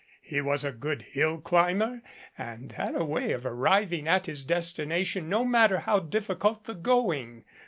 He was a good hill climber and had a way of arriving at his destination no matter how difficult the going.